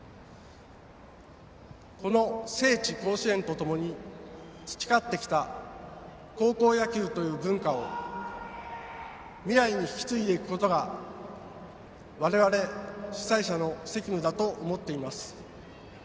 この聖地、甲子園とともに培ってきた高校野球という文化を未来に引き継いでいくことが我々、主催者の責務だと思っています。